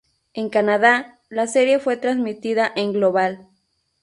En Canadá, la serie fue transmitida en Global.